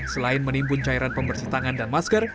selain menimbun cairan pembersih tangan dan masker